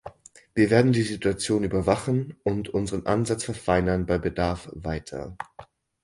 Wir werden die Situation überwachen und unseren Ansatz verfeinern bei Bedarf weiter.